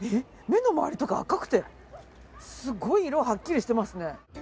目の周りとか赤くてすごい色がハッキリしてますね。